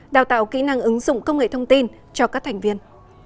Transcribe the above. đào tạo kỹ năng ứng dụng công nghệ thông tin cho các thành viên